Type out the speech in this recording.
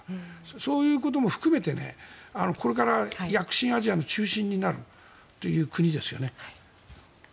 そういうことも含めてこれから、躍進アジアの中心になるという国ですよね。